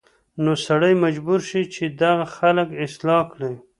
نو سړی مجبور شي چې دغه خلک اصلاح کړي